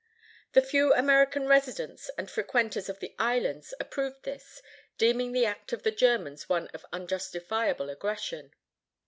The few American residents and frequenters of the islands approved this, deeming the act of the Germans one of unjustifiable aggression.